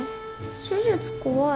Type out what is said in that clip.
手術怖い。